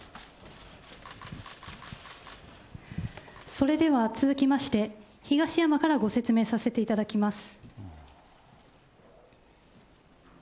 それでは続きまして、東山からご説明させていただきます。